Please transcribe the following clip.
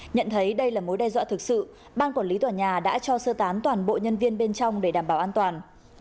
nhận thấy đây là mối đe dọa thực sự ban quản lý tòa nhà đã cho sơ tán toàn bộ nhân viên bên trong để đảm bảo an toàn